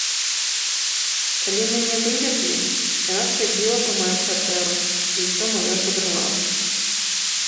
Калі мяне вывезлі, яна схадзіла па маю кватэру і ўсё маё забрала.